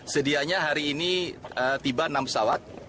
sedianya hari ini tiba enam pesawat